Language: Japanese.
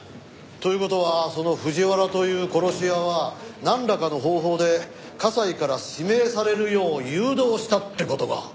という事はその藤原という殺し屋はなんらかの方法で加西から指名されるよう誘導したって事か。